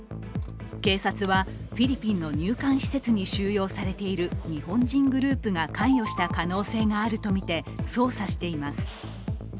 警察はフィリピンの入管施設に収容されている日本人グループが関与した可能性があるとみて捜査しています。